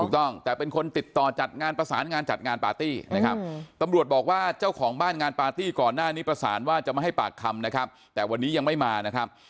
ถูกต้องแต่เป็นคนติดต่อจัดงานประสานงานจัดงานปาร์ตี้นะครับตำรวจบอกว่าเจ้าของบ้านงานปาร์ตี้ก่อนหน้านี้ประสานว่าจะมาให้ปากคำนะครับแต่วันนี้ยังไม่มานะครับ